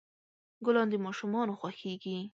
ګلان د ماشومان خوښیږي.